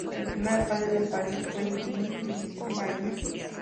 El primer alcalde de París fue Jean Sylvain Bailly.